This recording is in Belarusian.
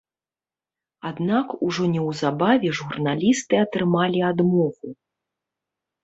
Аднак ужо неўзабаве журналісты атрымалі адмову.